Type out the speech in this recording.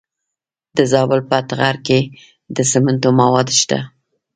د زابل په اتغر کې د سمنټو مواد شته.